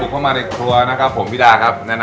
ผมต้องรบกวนพี่ดารหน่อยนะ